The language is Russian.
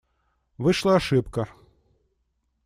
Вышла ошибка.